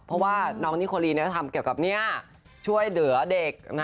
เพราะว่าน้องนิโคลีทำเกี่ยวกับช่วยเหลือเด็ก